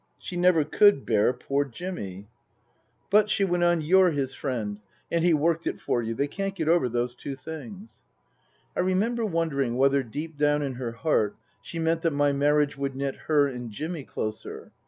She never could bear poor Jimmy." 170 Tasker Jevons " But/' she went on, " you're his friend. And he worked it for you. They can't get over those two things." I remember wondering whether deep down in her heart she meant that my marriage would knit her and Jimmy closer